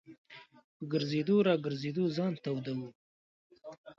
په ګرځېدو را ګرځېدو ځان توداوه.